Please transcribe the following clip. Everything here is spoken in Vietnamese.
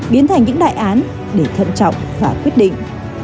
biến thành những đại án để thận trọng và quyết định